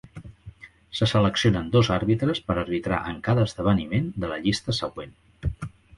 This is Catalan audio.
Se seleccionen dos àrbitres per arbitrar en cada esdeveniment, de la llista següent.